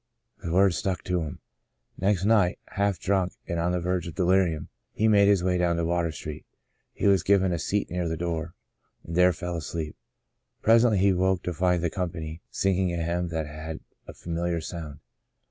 The words stuck to him. Next night, half drunk and on the verge of delirium, he made his way down to Water Street. He was given a seat near the door, and there fell asleep. Presently he woke to find the company sing ing a hymn that had a familiar sound.